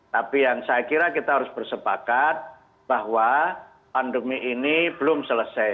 tapi yang saya kira kita harus bersepakat bahwa pandemi ini belum selesai